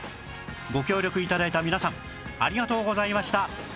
ご協力頂いた皆さんありがとうございました